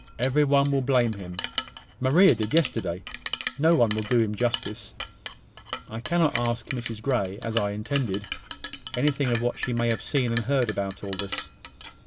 Every one will blame him: Maria did yesterday. No one will do him justice. I cannot ask Mrs Grey, as I intended, anything of what she may have seen and heard about all this.